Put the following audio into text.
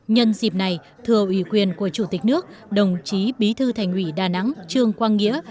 nhân dịp này thưa ủy quyền của chủ tịch nước đồng chí bí thư thành ủy đà nẵng trương quang nghĩa